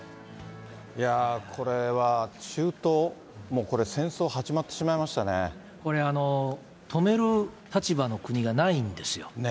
これは中東、もうこれ、これ、止める立場の国がないんですよ。